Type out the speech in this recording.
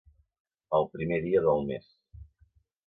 El primer dia del mes.